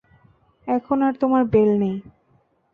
এখন আর তোমার বেল নেই।